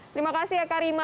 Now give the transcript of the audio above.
terima kasih ya karima